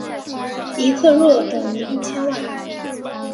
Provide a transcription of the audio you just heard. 一克若等于一千万。